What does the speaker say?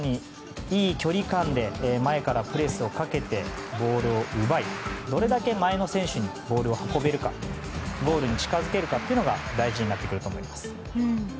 いい距離感で前からプレスをかけてボールを奪いどれだけ前の選手にボールを運べるかゴールに近づけるかが大事になってくると思います。